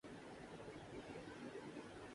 ہم نے اس کے بارے میں کچھ نہیں سنا تھا۔